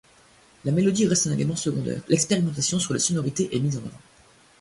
La mélodie reste un élément secondaire, l'expérimentation sur les sonorités est mise en avant.